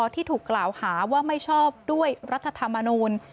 ที่ถูกกล่าวหาว่าไม่ชอบด้วยรัฐธรรมนูล